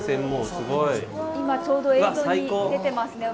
今ちょうど映像に出ています。